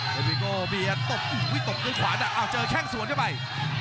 เผ็ดวิโกเบียดตบอุ้ยตบด้วยขวาอ้าวเจอแค่งสวนเข้าไป